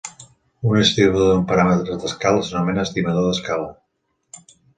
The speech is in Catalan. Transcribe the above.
Un estimador d'un paràmetre d'escala s'anomena estimador d'escala.